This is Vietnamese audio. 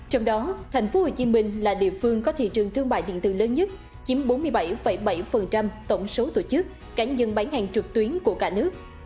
trong đó thành phố hồ chí minh là địa phương có thị trường thương mại điện tử lớn nhất chiếm bốn mươi bảy bảy tổng số tổ chức cá nhân bán hàng trực tuyến của cả nước